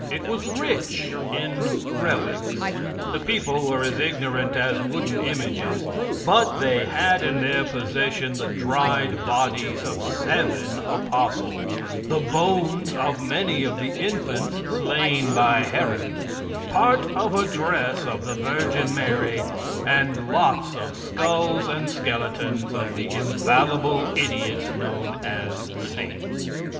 It was rich in relics. The people were as ignorant as wooden images, but they had in their possession the dried bodies of seven apostles the bones of many of the infants slain by Herod part of a dress of the Virgin Mary, and lots of skulls and skeletons of the infallible idiots known as saints.